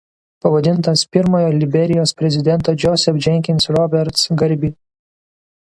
Pavadintas pirmojo Liberijos prezidento Joseph Jenkins Roberts garbei.